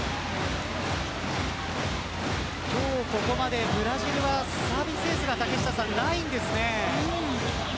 今日ここまでブラジルはサービスエースがないんですね。